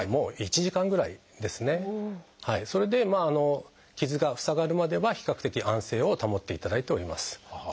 それで傷が塞がるまでは比較的安静を保っていただいております。